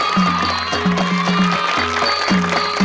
สวัสดีครับ